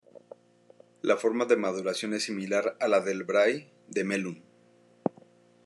La forma de maduración es similar a la del Brie de Melun.